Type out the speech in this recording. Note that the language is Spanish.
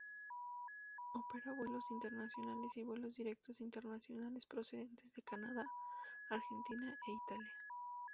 Opera vuelos nacionales y vuelos directos internacionales procedentes de Canadá, Argentina e Italia.